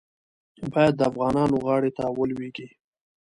باید د افغانانو غاړې ته ولوېږي.